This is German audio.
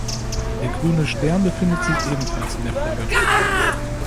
Der grüne Stern befindet sich ebenfalls in der Flagge.